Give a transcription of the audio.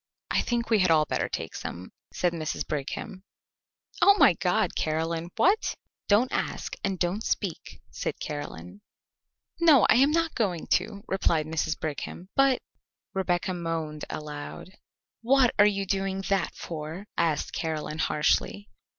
"I think we had all better take some," said Mrs. Brigham. "Oh, my God, Caroline, what " "Don't ask and don't speak," said Caroline. "No, I am not going to," replied Mrs. Brigham; "but " Rebecca moaned aloud. "What are you doing that for?" asked Caroline harshly.